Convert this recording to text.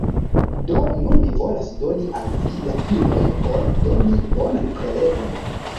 Do nun mi volas doni al vi la iloj por doni bonan prelegon.